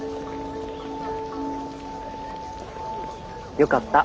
よかった。